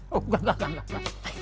oh enggak enggak enggak